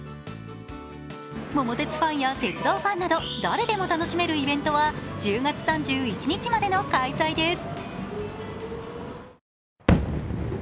「桃鉄」ファンや鉄道ファンなど誰でも楽しめるイベントは、１０月３１日までの開催です。